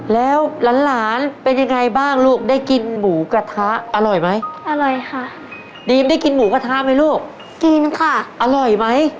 แล้วหลานเป็นยังไงบ้างลูกได้กินหมูกระทะอร่อยมั้ย